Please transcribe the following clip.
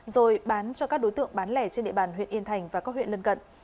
rồi bán cho các đối tượng bán lẻ trên địa bàn huyện yên thành và các huyện lân cận